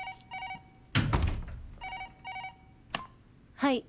はい。